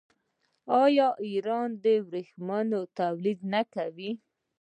آیا ایران د ورېښمو تولید نه کوي؟